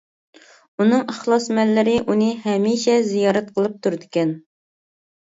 ئۇنىڭ ئىخلاسمەنلىرى ئۇنى ھەمىشە زىيارەت قىلىپ تۇرىدىكەن.